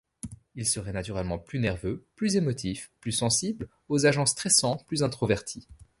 Ils seraient naturellement plus nerveux, plus émotifs, plus sensibles aux agents stressants, plus introvertis.